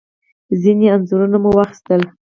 ځینې انځورونه مو واخیستل.